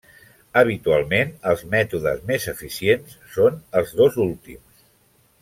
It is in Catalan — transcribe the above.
Habitualment els mètodes més eficients són els dos últims.